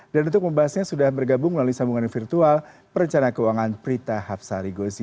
dan untuk membahasnya sudah bergabung melalui sambungan virtual perencana keuangan prita hapsarigosi